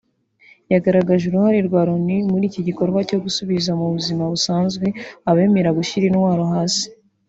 yagaragaje uruhare rwa Loni muri iki gikorwa cyo gusubiza mu buzima busanzwe abemera gushyira intwaro hasi